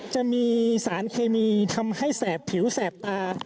จะมีสารเคมีทำให้แสบผิวแสบตา